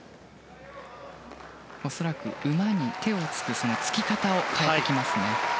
恐らく馬に手をつくそのつき方を変えてきますね。